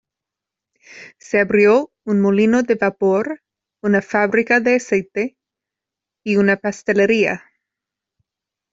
Se abrió un molino de vapor, una fábrica de aceite y una pastelería.